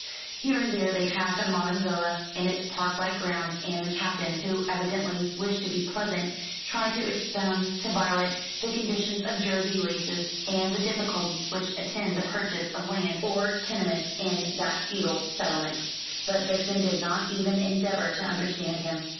Here and there they passed a modern villa, in its park like grounds, and the Captain, who evidently wished to be pleasant, tried to expound to Violet the conditions of Jersey leases, and the difficulties which attend the purchase of land or tenements in that feudal settlement. But Vixen did not even endeavour to understand him.